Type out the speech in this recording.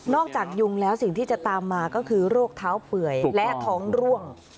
จากยุงแล้วสิ่งที่จะตามมาก็คือโรคเท้าเปื่อยและท้องร่วง